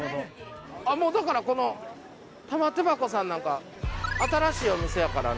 あっもうだからこの玉手箱さんなんか新しいお店やからな。